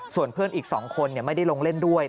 ส่วนเพื่อนอีก๒คนไม่ได้ลงเล่นด้วย